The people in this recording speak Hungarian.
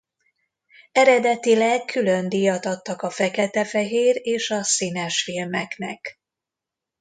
Eredetileg külön díjat adtak a fekete-fehér és a színes filmeknek.